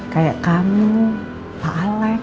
kayak kamu pak alex